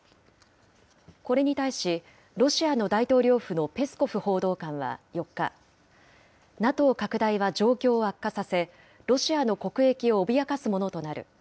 これに対し、ロシアの大統領府のペスコフ報道官は４日、ＮＡＴＯ拡大は状況を悪化させ、ロシアの国益を脅かすものとなる。